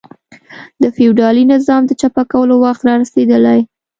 د فیوډالي نظام د چپه کولو وخت را رسېدلی.